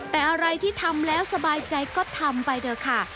แต่อะไรที่ทำแล้วสบายใจก็ทำไปเถอะค่ะ